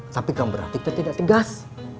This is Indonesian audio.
tapi kan berarti kita tidak tegas